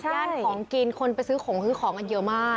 ย่านของกินคนไปซื้อของซื้อของกันเยอะมาก